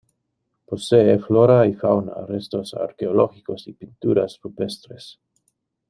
Posee flora y fauna, restos arqueológicos y pinturas rupestres.